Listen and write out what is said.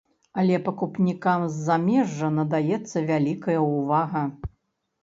Але пакупнікам з замежжа надаецца вялікая ўвага.